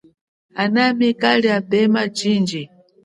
Anami kali apema chindji.